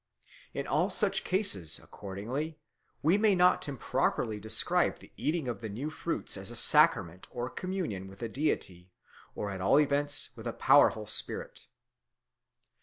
In all such cases, accordingly, we may not improperly describe the eating of the new fruits as a sacrament or communion with a deity, or at all events with a powerful spirit.